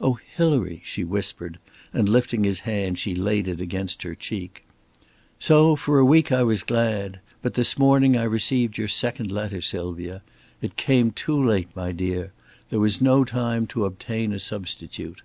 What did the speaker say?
"Oh, Hilary!" she whispered, and lifting his hand she laid it against her cheek. "So for a week I was glad. But this morning I received your second letter, Sylvia. It came too late, my dear. There was no time to obtain a substitute."